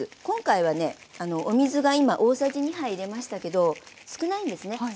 今回はねお水が今大さじ２杯入れましたけど少ないんですね。